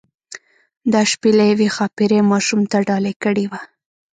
دا شپیلۍ یوې ښاپیرۍ ماشوم ته ډالۍ کړې وه.